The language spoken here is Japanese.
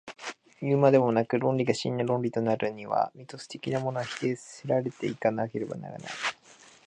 いうまでもなく、論理が真の論理となるには、ミトス的なものは否定せられて行かなければならない。